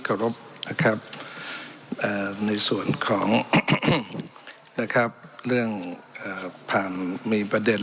ขอรบนะครับในส่วนของนะครับเรื่องผ่านมีประเด็น